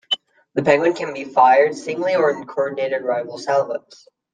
The Penguin can be fired singly or in coordinated-arrival salvoes.